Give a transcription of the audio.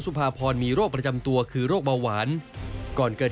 เขาก็คีย์มาดีอย่างนั้นเบิ้ล